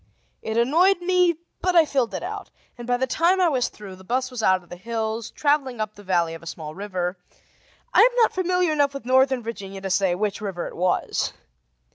It annoyed me, but I filled it out, and, by the time I was through, the bus was out of the hills, traveling up the valley of a small river; I am not familiar enough with northern Virginia to say which river it was.